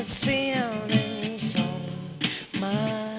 ขอบคุณค่ะ